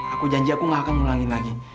aku janji aku gak akan ngulangin lagi